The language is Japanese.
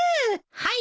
はい。